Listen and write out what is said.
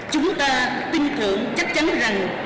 chúng ta tin thưởng chắc chắn rằng